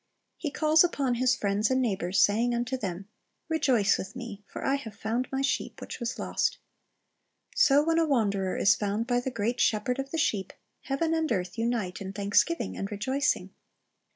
He calls upon his friends and neighbors, saying unto them, "Rejoice with me; for I have found my sheep which was lost." So when a wanderer is found by the great Shepherd of the sheep, heaven and earth unite in thanksgiving and rejoicing.